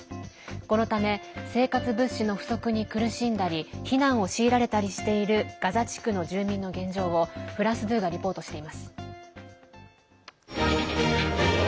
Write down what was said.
このため生活物資の不足に苦しんだり避難を強いられたりしているガザ地区の住民の現状をフランス２がリポートしています。